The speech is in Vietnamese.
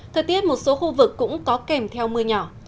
thời tiết một số khu vực cũng có kèm theo mưa nhỏ